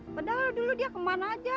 padahal dulu dia kemana aja